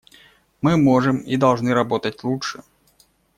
Мы можем и должны работать лучше.